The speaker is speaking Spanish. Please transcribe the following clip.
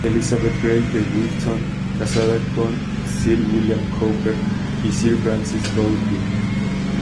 Elizabeth Grey de Wilton, casada con Sir William Cooper y Sir Francis Goodwin.